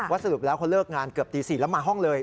สรุปแล้วเขาเลิกงานเกือบตี๔แล้วมาห้องเลย